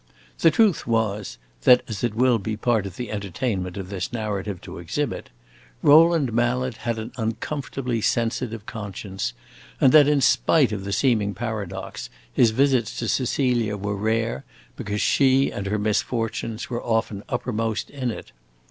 The truth was, that, as it will be part of the entertainment of this narrative to exhibit, Rowland Mallet had an uncomfortably sensitive conscience, and that, in spite of the seeming paradox, his visits to Cecilia were rare because she and her misfortunes were often uppermost in it.